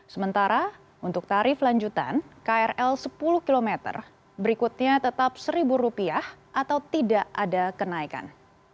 sementara untuk tarif lanjutan krl sepuluh km berikutnya tetap rp satu atau tidak ada kenaikan